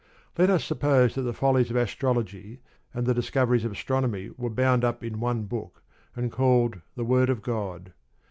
Let us suppose that the follies of astrology and the discoveries of astronomy were bound up in one book, and called the Word of God.